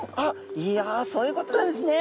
いやそういうことなんですね。